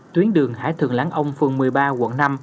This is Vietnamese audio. tuyến đường hải thượng lãng ông phường một mươi ba quận năm